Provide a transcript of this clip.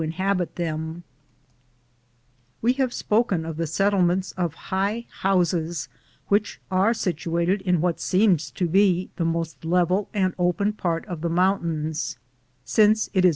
CHAPTER Vn We have spoken of the settlements of high houses which are situated in what seems to be the most level and open part of the mouu ineda mar have known about it.